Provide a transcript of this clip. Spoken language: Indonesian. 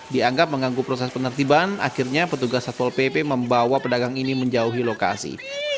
dianggap mengganggu proses penertiban akhirnya petugas satpol pp membawa pedagang ini menjauhi lokasi